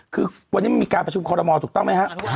คือวันนี้มันมีการประชุมคอรมอลถูกต้องไหมครับ